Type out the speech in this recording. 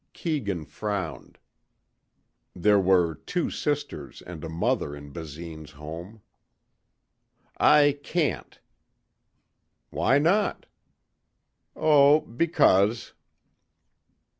Keegan frowned. There were two sisters and a mother in Basine's home. "I can't." "Why not?" "Oh, because."